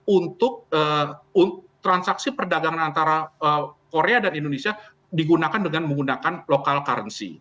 untuk transaksi perdagangan antara korea dan indonesia digunakan dengan menggunakan local currency